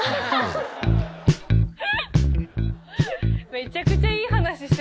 めちゃくちゃいい話してたのに。